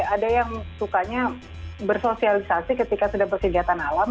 ada yang sukanya bersosialisasi ketika sudah berkegiatan alam